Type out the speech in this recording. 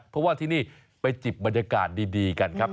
เพราะว่าที่นี่ไปจิบบรรยากาศดีกันครับ